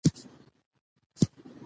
ژبې د افغانانو ژوند اغېزمن کوي.